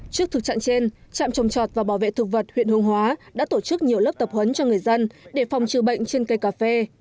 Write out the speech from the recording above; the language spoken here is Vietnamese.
trước thực trạng trên trạm trồng chọt và bảo vệ thực vật huyện hương hóa đã tổ chức nhiều lớp tập huấn cho người dân để phòng trừ bệnh trên cây cà phê